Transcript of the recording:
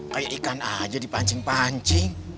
kayak ikan aja dipancing pancing